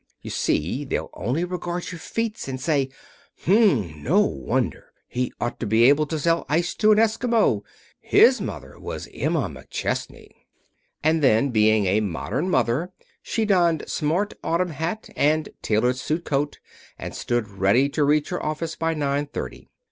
"You see, they'll only regard your feats and say, 'H'm, no wonder. He ought to be able to sell ice to an Eskimo. His mother was Emma McChesney.'" And then, being a modern mother, she donned smart autumn hat and tailored suit coat and stood ready to reach her office by nine thirty.